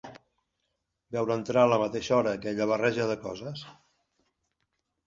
Veure entrar a la mateixa hora aquella barreja de coses.